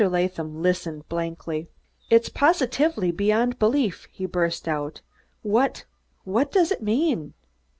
Latham listened blankly. "It's positively beyond belief," he burst out. "What what does it mean?"